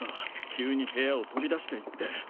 急に部屋を飛び出していって。